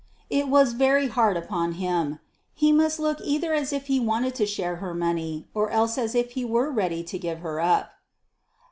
It was very hard upon him! He must either look as if he wanted to share her money, or else as if he were ready to give her up.